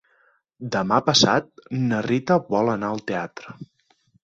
Demà passat na Rita vol anar al teatre.